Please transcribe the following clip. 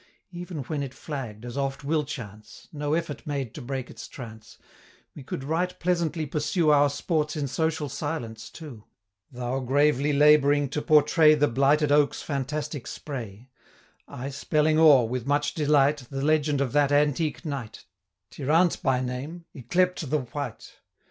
Even when it flagged, as oft will chance, No effort made to break its trance, 165 We could right pleasantly pursue Our sports in social silence too; Thou gravely labouring to pourtray The blighted oak's fantastic spray; I spelling o'er, with much delight, 170 The legend of that antique knight, Tirante by name, yclep'd the White.